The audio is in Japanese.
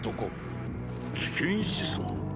危険思想？